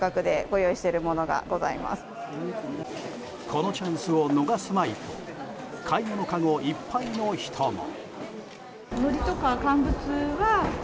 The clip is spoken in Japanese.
このチャンスを逃すまいと買い物かごいっぱいの人も。